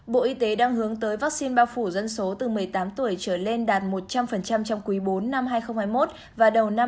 bộ y tế đang hướng tới vaccine bao phủ dân số từ một mươi tám tuổi trở lên đạt một trăm linh trong quý bốn năm hai nghìn hai mươi một và đầu năm hai nghìn hai mươi